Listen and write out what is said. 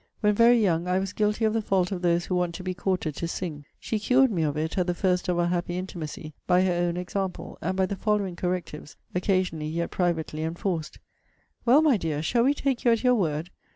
When very young, I was guilty of the fault of those who want to be courted to sing. She cured me of it, at the first of our happy intimacy, by her own example; and by the following correctives, occasionally, yet privately enforced: 'Well, my dear, shall we take you at your word?